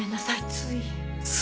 つい。